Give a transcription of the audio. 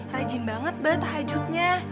rajin banget banget hajutnya